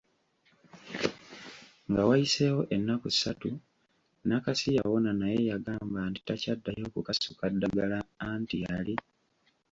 Nga wayiseewo ennaku ssatu, Nakasi yawona naye yagamba nti takyaddayo kukasuka ddagala anti yali